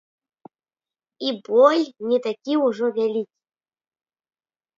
І боль не такі ўжо вялікі.